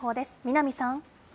南さん。